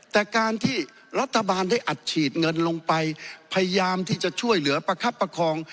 แต่การที่รัฐบาลได้อัดฉีดเงินลงไปพยายามที่จะช่วยเหลือประคับประคอง